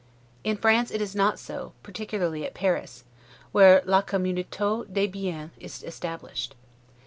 In France it is not so, particularly at Paris; where 'la communaute des biens' is established.